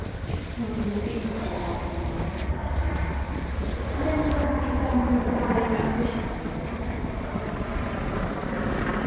"Oh, you'll get used to it after a while," returned Russ. And then he went to his own room to labor ambitiously over his patent.